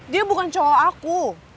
dia bukan cowok aku